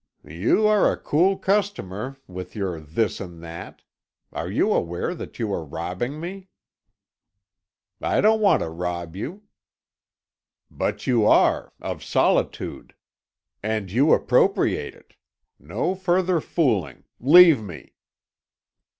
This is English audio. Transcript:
"You are a cool customer, with your this and that. Are you aware that you are robbing me?" "I don't want to rob you." "But you are of solitude. And you appropriate it! No further fooling. Leave me."